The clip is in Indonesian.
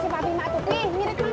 tapi kan mungkin bisa terus